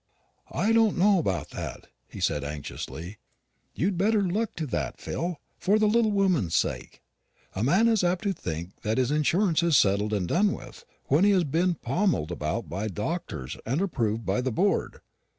"I don't know about that," he said anxiously; "you'd better look to that, Phil, for the little woman's sake. A man is apt to think that his insurance is settled and done with, when he has been pommelled about by the doctors and approved by the board.